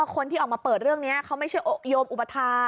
คนที่ออกมาเปิดเรื่องนี้เขาไม่ใช่โยมอุปทา